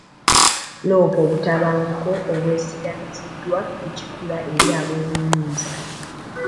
Loopa obutabanguko obwesigamiziddwa ku kikula eri ab'obuyinza.